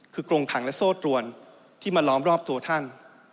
คือกรงขังและโซ่ตรวนที่มาล้อมรอบตัวท่าน